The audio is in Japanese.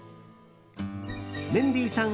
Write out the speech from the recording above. メンディーさん